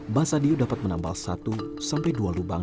mbah sadiyu dapat menampal satu sampai dua lubang